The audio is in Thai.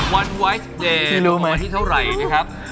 วันไวท์เดย์มาที่เท่าไหร่นะครับ